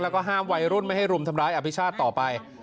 แล้วก็ห้ามวัยรุ่นไม่ให้รุมทำร้ายอภิชาติต่อไป